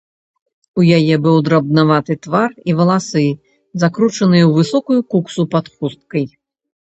У яе быў драбнаваты твар і валасы, закручаныя ў высокую куксу пад хусткай.